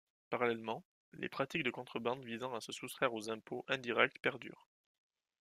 Parallèlement, les pratiques de contrebande visant à se soustraire aux impôts indirects perdurent.